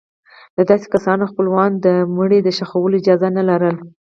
د داسې کسانو خپلوانو د مړي د ښخولو اجازه نه لرله.